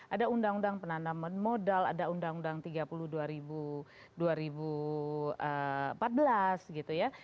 ada undang undang penanaman modal ada undang undang tiga puluh dua ribu empat belas gitu ya